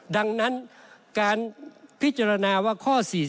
ดังนั้นการพิจารณาว่าข้อ๔๔